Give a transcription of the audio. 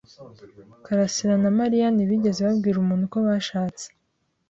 karasira na Mariya ntibigeze babwira umuntu ko bashatse.